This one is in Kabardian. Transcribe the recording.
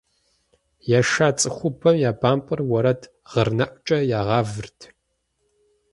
Еша цӀыхубэм я бампӀэр уэрэд гъырнэӀукӀэ ягъэвырт.